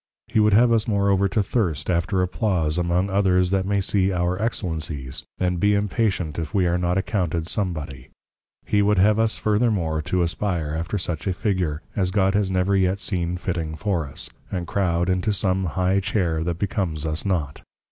He would have us moreover to Thirst after Applause among others that may see Our Excellencies! and be impatient if we are not accounted some body. He would have us furthermore, to aspire after such a Figure, as God has never yet seen fitting for us; and croud into some High Chair that becomes us not.